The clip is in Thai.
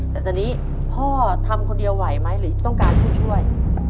แต่ตอนนี้พ่อทำคนเดียวไหวไหมหรือต้องการผู้ช่วย